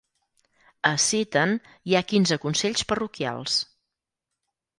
A Seaton hi ha quinze consells parroquials.